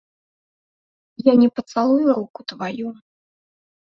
Я не пацалую руку тваю.